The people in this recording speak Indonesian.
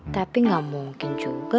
tapi gak mungkin juga